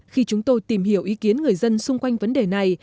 khi chúng tôi tìm hiểu ý kiến người dân xung quanh vấn đề này